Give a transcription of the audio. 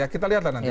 kita lihat lah nanti